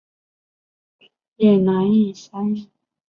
也难以相遇